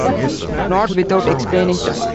Not without explaining time.